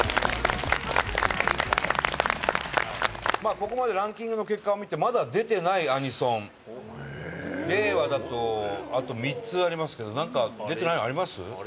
ここまでランキングの結果を見てまだ出てないアニソン令和だとあと３つありますけど何か出てないのあります？